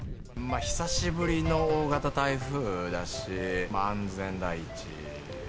久しぶりの大型台風だし、安全第一。